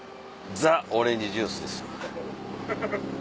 ザオレンジジュースです。